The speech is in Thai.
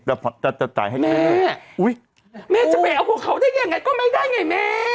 แม่แม่จะไปเอาหัวเขาได้ยังไงก็ไม่ได้ไงแม่